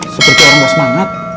seperti orang basmangat